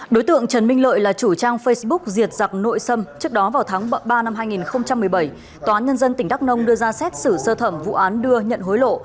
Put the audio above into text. đối tượng trần minh lợi là chủ trang facebook diệt giặc nội sâm trước đó vào tháng ba năm hai nghìn một mươi bảy tòa án nhân dân tỉnh đắk nông đưa ra xét xử sơ thẩm vụ án đưa nhận hối lộ